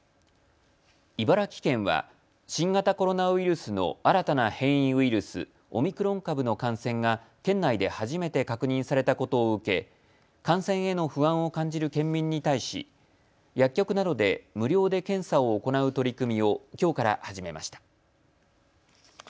茨城県は新型コロナウイルスの新たな変異ウイルス、オミクロン株の感染が県内で初めて確認されたことを受け、感染への不安を感じる県民に対し薬局などで無料で検査を行う取り組みをきょうから始めました。